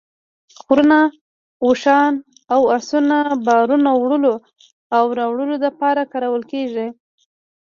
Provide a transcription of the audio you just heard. خرونه ، اوښان او اسونه بارونو وړلو او راوړلو دپاره کارول کیږي